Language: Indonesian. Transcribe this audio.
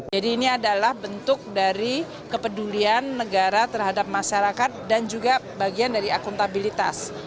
jadi ini adalah bentuk dari kepedulian negara terhadap masyarakat dan juga bagian dari akuntabilitas